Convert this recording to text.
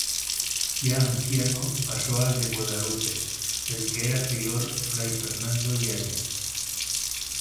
Ya anciano pasó al de Guadalupe, del que era prior fray Fernando Yáñez.